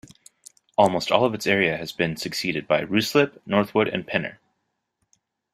Almost all of its area has been succeeded by Ruislip, Northwood and Pinner.